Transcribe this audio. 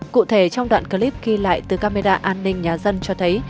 cụ thể trong đoạn clip ghi lại từ camera an ninh nhà dân cho thấy